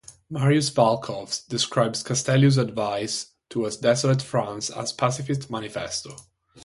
Marius Valkhoff describes Castellio's "Advice to a Desolate France" as a pacifist manifesto.